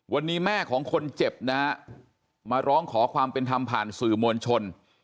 วันนี้แม่ของคนเจ็บนะฮะมาร้องขอความเป็นธรรมผ่านสื่อมวลชน